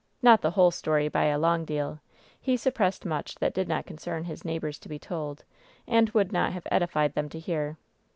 Not the whole story, by a long deal ! He suppressed much that did not concern his neighbors to be told, and would not have edified them to hear.